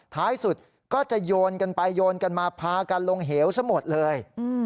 ท้ายสุดก็จะโยนกันไปโยนกันมาพากันลงเหวซะหมดเลย